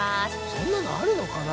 そんなのあるのかな？